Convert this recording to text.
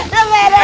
nih lu beda